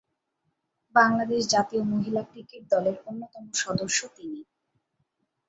বাংলাদেশ জাতীয় মহিলা ক্রিকেট দলের অন্যতম সদস্য তিনি।